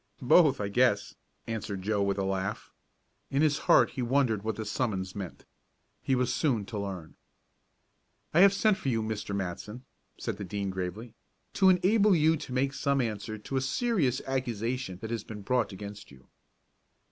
"Both, I guess," answered Joe with a laugh. In his heart he wondered what the summons meant. He was soon to learn. "I have sent for you, Mr. Matson," said the Dean gravely, "to enable you to make some answer to a serious accusation that has been brought against you."